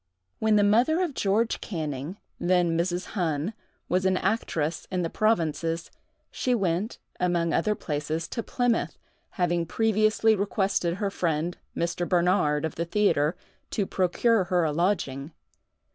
When the mother of George Canning, then Mrs. Hunn, was an actress in the provinces, she went, among other places, to Plymouth, having previously requested her friend, Mr. Bernard, of the theatre, to procure her a lodging.